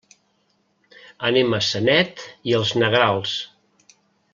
Anem a Sanet i els Negrals.